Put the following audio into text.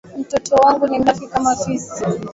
Mtoto wangu ni mlafi kama fisi